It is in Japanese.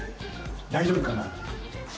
大丈夫かな？